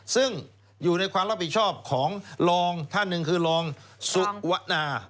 ซึ่งอยู่ในความรับผิดชอบของรองท่านหนึ่งคือรองสุวนา